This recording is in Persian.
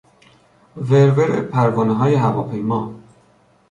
ور ور پروانههای هواپیما